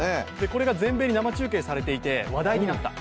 これが全米に生中継されていて、話題になった。